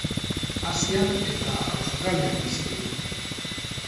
Asian eta Australian bizi dira.